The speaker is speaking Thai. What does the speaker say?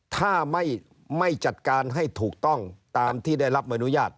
ถ้าไม่จัดการให้ถูกต้องตามที่ได้รับอนุญาต